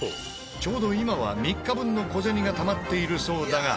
ちょうど今は３日分の小銭がたまっているそうだが。